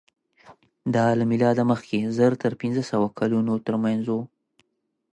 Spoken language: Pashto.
دا له مېلاده مخکې زر تر پینځهسوه کلونو تر منځ وو.